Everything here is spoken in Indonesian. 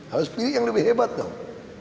harus pilih yang lebih hebat dong